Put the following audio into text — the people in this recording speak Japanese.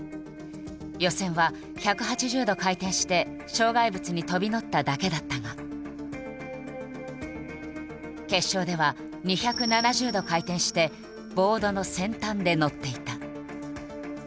予選は１８０度回転して障害物に飛び乗っただけだったが決勝では２７０度回転してボードの先端で乗っていた。